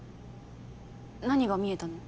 何が見えたの？